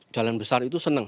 jalan besar itu senang